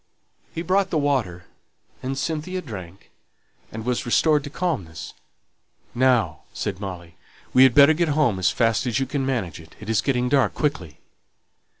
He brought the water, and Cynthia drank, and was restored to calmness. "Now," said Molly, "we had better go home as fast as you can manage it; it's getting dark quickly."